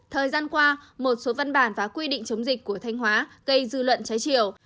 thời gian qua một số văn bản và quy định chống dịch của thanh hóa gây dư luận trái chiều